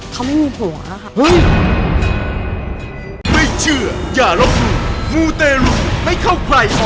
เขาไม่มีผัวค่ะ